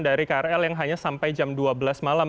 dari krl yang hanya sampai jam dua belas malam